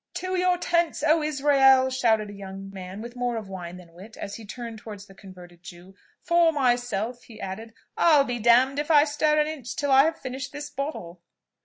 "To your tents, O Israel!" shouted a young man, with more of wine than wit, as he turned towards the converted Jew; "for myself," he added, "I'll be d d if I stir an inch till I have finished this bottle."